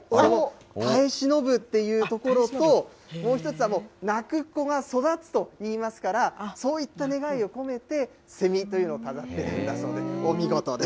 耐え忍ぶというところと、もう一つは、泣く子が育つといいますから、そういった願いを込めて、セミというのを飾ってたんだそうで、お見事です。